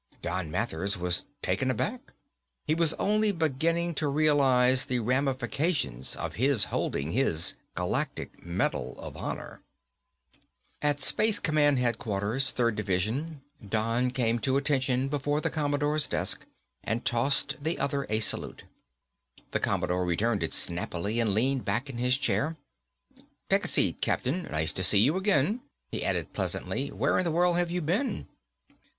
Don Mathers was taken aback. He was only beginning to realize the ramifications of his holding his Galactic Medal of Honor. At Space Command Headquarters, Third Division, Don came to attention before the Commodore's desk and tossed the other a salute. The Commodore returned it snappily and leaned back in his chair. "Take a seat, Captain. Nice to see you again." He added pleasantly, "Where in the world have you been?"